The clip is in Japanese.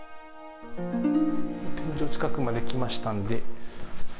天井近くまで来ましたんで。